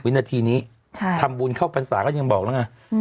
วินาทีนี้ทำบุญเข้าพรรษาก็ยังบอกแล้วไง